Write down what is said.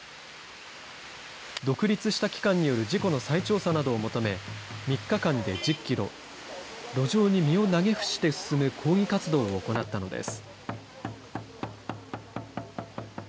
独立した機関による事故の再調査などを求め、３日間で１０キロ、路上に身を投げ伏して進む抗議活動を行ったのです。